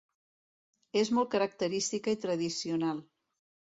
És molt característica i tradicional.